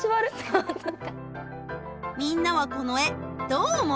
みんなはこの絵どう思う？